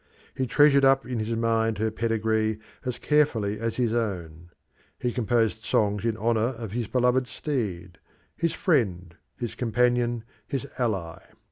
He treasured up in his mind her pedigree as carefully as his own; he composed songs in honour of his beloved steed his friend, his companion, his ally.